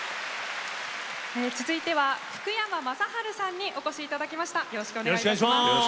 続いては福山雅治さんにお越しいただきました。